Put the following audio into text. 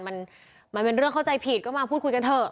มันมันเป็นเรื่องเข้าใจผิดก็มาพูดคุยกันเถอะ